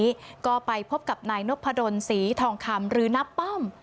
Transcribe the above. เปิดไปพบกับในนับพะดมสีทองทำหรือนับป้อม